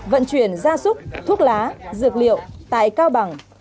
vận chuyển gia súc thuốc lá dược liệu tại cao bằng